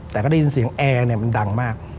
แต่ก็ได้ยินเสียงแอร์มันดังมาก